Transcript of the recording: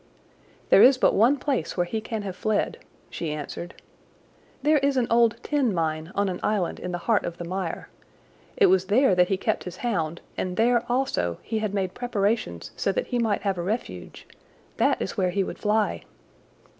"There is but one place where he can have fled," she answered. "There is an old tin mine on an island in the heart of the mire. It was there that he kept his hound and there also he had made preparations so that he might have a refuge. That is where he would fly."